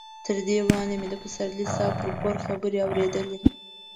تر دې وړاندې مې د پسرلي صاحب پر کور خبرې اورېدلې.